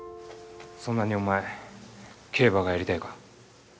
そんなにお前競馬がやりたいか。